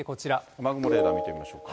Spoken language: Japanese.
雨雲レーダー見てみましょうか。